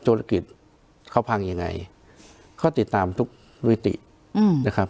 ธุรกิจเขาพังยังไงเขาติดตามทุกวิตินะครับ